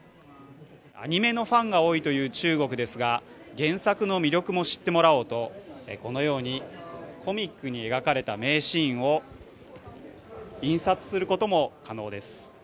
アニメのファンが多いという中国ですが、原作の魅力も知ってもらおうとこのようにコミックに描かれた名シーンを印刷することも可能です。